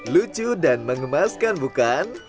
lucu dan mengemaskan bukan